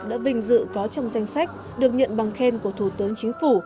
đã vinh dự có trong danh sách được nhận bằng khen của thủ tướng chính phủ